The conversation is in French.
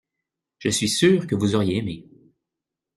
Je suis sûr que vous auriez aimé.